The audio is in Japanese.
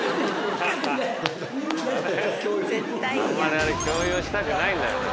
あんまりあれ共用したくないんだよね。